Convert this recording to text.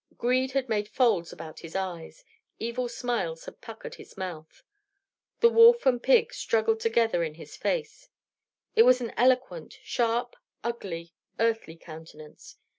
Greed had made folds about his eyes, evil smiles had puckered his mouth. The wolf and pig struggled together in his face. It was an eloquent, sharp, ugly, earthly countenance.